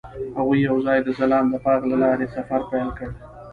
هغوی یوځای د ځلانده باغ له لارې سفر پیل کړ.